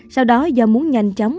sau đó do muốn nhanh chóng